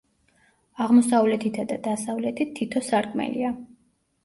აღმოსავლეთითა და დასავლეთით თითო სარკმელია.